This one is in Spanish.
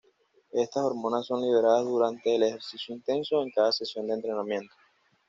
Estas hormonas son liberadas durante el ejercicio intenso, en cada sesión de entrenamiento.